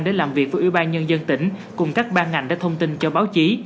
để làm việc với ủy ban nhân dân tỉnh cùng các ban ngành đã thông tin cho báo chí